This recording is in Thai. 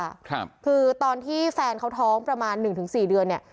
ครับคือตอนที่แฟนเขาท้องประมาณหนึ่งถึงสี่เดือนเนี้ย